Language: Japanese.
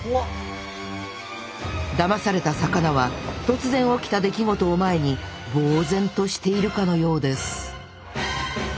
だまされた魚は突然起きた出来事を前にぼう然としているかのようです